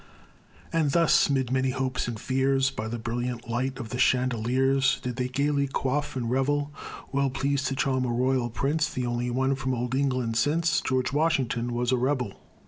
And thus, 'mid many hopes and fears, By the brilliant light of the chandeliers, Did they gayly quaff and revel; Well pleased to charm a royal prince The only one from old England since George Washington was a rebel.